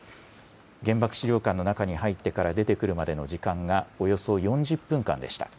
原爆資料館の中に入ってから出てくるまでの時間がおよそ４０分間でした。